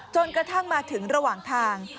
จนกระทั่งมาถึงระหว่างทาง